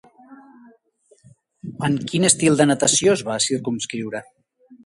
En quin estil de natació es va circumscriure?